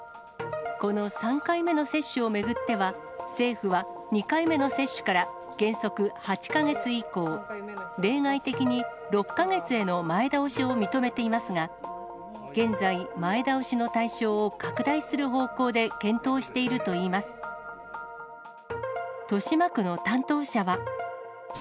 この３回目の接種を巡っては、政府は、２回目の接種から原則８か月以降、例外的に６か月への前倒しを認めていますが、現在、前倒しの対象を拡大する方向で検討しているといいます。